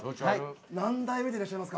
何代目でいらっしゃいますか。